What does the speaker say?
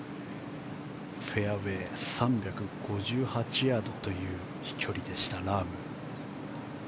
フェアウェー３５８ヤードという飛距離でした、ラーム。